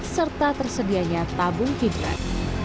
serta tersedianya tabung hidrat